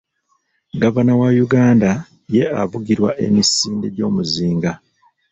Gavana wa Uganda ye avugirwa emisinde gy'omuzinga.